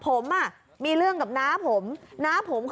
ผมมีเรื่องกับน้าผม